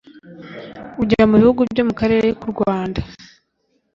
ujya mu bihugu byo mu karere ku Rwanda